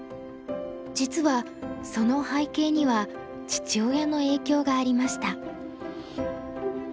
実はその背景には父親の影響がありました。